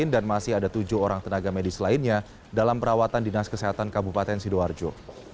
dan masih ada tujuh orang tenaga medis lainnya dalam perawatan dinas kesehatan kabupaten sidoarjo